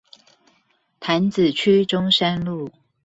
潭子區中山路